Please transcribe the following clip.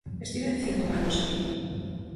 Estiven cinco anos alí.